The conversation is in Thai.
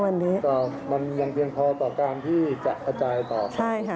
มันมีอย่างเพียงพอต่อการที่จะอจ่ายต่อ